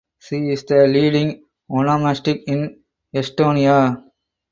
She is the leading onomastic in Estonia.